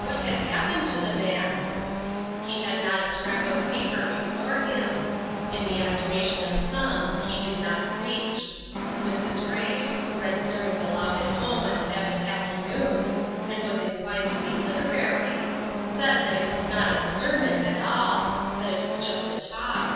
What had happened to the man ? He had not a scrap of paper before him. In the estimation of some, he did not preach. Mrs. Graves, who read sermons aloud at home on Sabbath afternoons, and was in clined to be literary, said that it was not a sermon at all that it was just a talk.